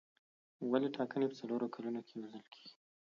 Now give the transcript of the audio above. ولې ټاکنې په څلورو کلونو کې یو ځل کېږي.